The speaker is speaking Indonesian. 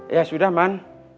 ya sudah man